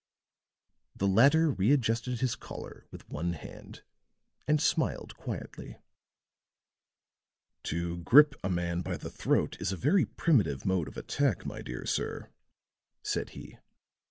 The latter readjusted his collar with one hand, and smiled quietly. "To grip a man by the throat is a very primitive mode of attack, my dear sir," said he.